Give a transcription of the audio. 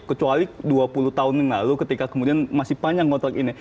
kecuali dua puluh tahun yang lalu ketika kemudian masih panjang ngot ini